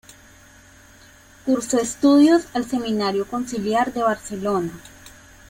Cursó estudios al Seminario Conciliar de Barcelona.